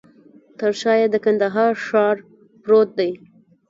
تر شاه یې د کندهار ښار پروت دی.